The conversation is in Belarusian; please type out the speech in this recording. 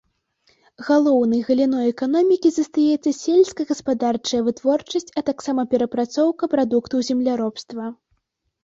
Галоўнай галіной эканомікі застаецца сельскагаспадарчая вытворчасць, а таксама перапрацоўка прадуктаў земляробства.